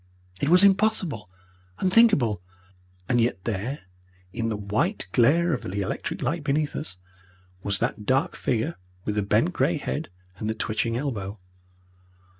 It was impossible, unthinkable and yet there, in the white glare of the electric light beneath us, was that dark figure with the bent grey head, and the twitching elbow.